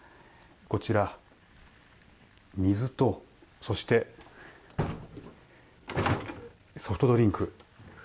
こちら、水とそしてソフトドリンク。